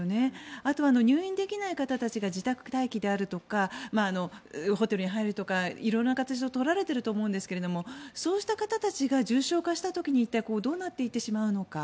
あとは入院できない方たちが自宅待機であるとかホテルに入るとか色々な形を取られていると思うんですがそうした方たちが重症化した時に一体どうなっていってしまうのか。